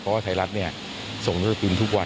ก็จำเป็นจะต้องมีเครื่องขาย